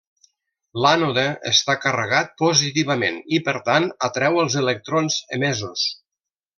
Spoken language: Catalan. L'ànode està carregat positivament i, per tant, atreu els electrons emesos.